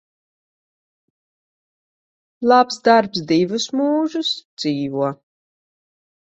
Labs darbs divus mūžus dzīvo.